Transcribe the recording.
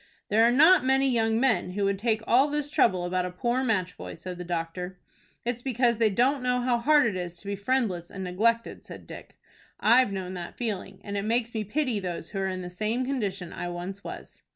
"There are not many young men who would take all this trouble about a poor match boy," said the doctor. "It's because they don't know how hard it is to be friendless and neglected," said Dick. "I've known that feeling, and it makes me pity those who are in the same condition I once was."